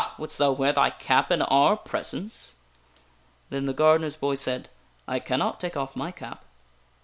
Wouldst thou wear thy cap in our presence ?" Then the gardener's boy said :" I cannot take off my cap."